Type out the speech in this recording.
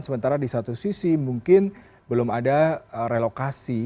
sementara di satu sisi mungkin belum ada relokasi